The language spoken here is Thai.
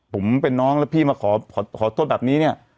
ผมเป็นน้องแล้วพี่มาขอโทษแบบนี้เนี่ย